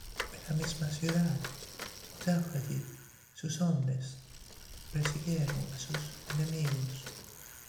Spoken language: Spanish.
En la misma ciudad, O'Doherty y sus hombres persiguieron a sus enemigos.